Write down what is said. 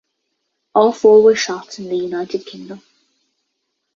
All four were shot in the United Kingdom.